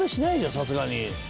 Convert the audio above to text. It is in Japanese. さすがに。